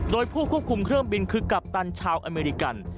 โดยผู้ควบคุมเครื่องบินคือกัปตันชาวอเมริกัน